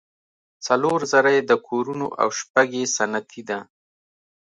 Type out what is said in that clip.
څلور زره یې د کورونو او شپږ یې صنعتي ده.